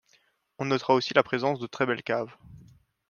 On notera aussi la présence de très belles caves.